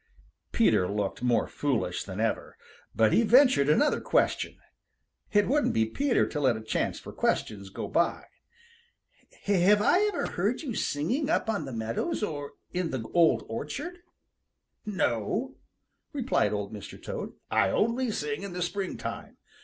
Peter looked more foolish than ever. But he ventured another question. It wouldn't be Peter to let a chance for questions go by. "Have I ever heard you singing up on the meadows or in the Old Orchard?" "No," replied Old Mr. Toad, "I only sing in the springtime.